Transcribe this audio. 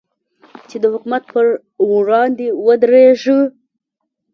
چې د حکومت پر وړاندې ودرېږي.